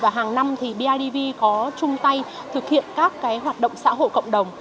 và hàng năm thì bidv có chung tay thực hiện các hoạt động xã hội cộng đồng